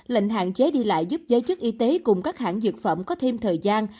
lệnh hạn chế đi lại giúp giới chức y tế cùng các hãng dược phẩm có thêm thời gian